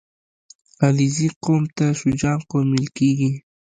• علیزي قوم ته شجاع قوم ویل کېږي.